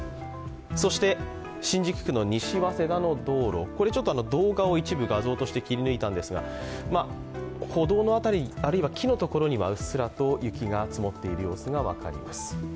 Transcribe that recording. そして新宿区の西早稲田の道路、動画を一部画像として切り抜いたんですが歩道の辺り、あるいは木の辺りにはうっすらと雪が積もっている様子が分かります。